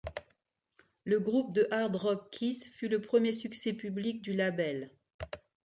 Le groupe de hard rock Kiss fut le premier succès public du label.